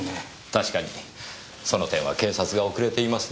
確かにその点は警察が遅れていますねぇ。